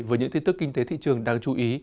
với những tin tức kinh tế thị trường đáng chú ý